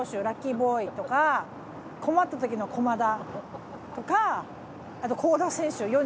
ラッキーボーイとか困ったときの駒田とかあと香田選手